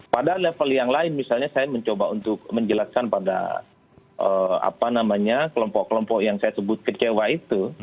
pada level yang lain misalnya saya mencoba untuk menjelaskan pada kelompok kelompok yang saya sebut kecewa itu